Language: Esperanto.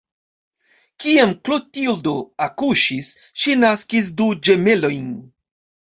Kiam Klotildo akuŝis, ŝi naskis du ĝemelojn.